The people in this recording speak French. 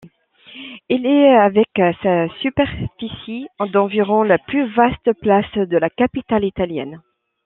Elle est avec sa superficie d'environ la plus vaste place de la capitale italienne.